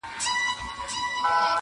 زه د غم تخم کرمه او ژوندی پر دنیا یمه.!